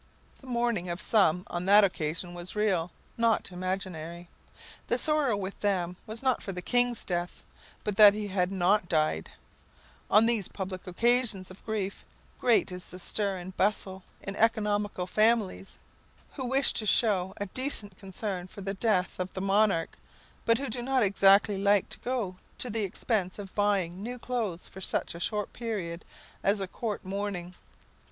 The mourning of some on that occasion was real, not imaginary. The sorrow with them was not for the kings' death, but that he had not died. On these public occasions of grief, great is the stir and bustle in economical families, who wish to show a decent concern for the death of the monarch, but who do not exactly like to go to the expense of buying new clothes for such a short period as a court mourning.